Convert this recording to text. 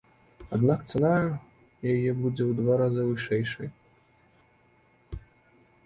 Аднак цана яе будзе ў два разы вышэйшай.